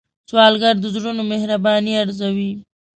سوالګر د زړونو مهرباني ارزوي